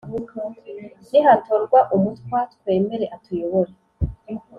nihatorwa umutwa twemere atuyobore